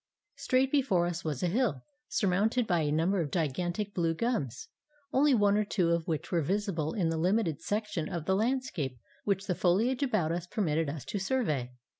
Straight before us was a hill surmounted by a number of gigantic blue gums, only one or two of which were visible in the limited section of the landscape which the foliage about us permitted us to survey.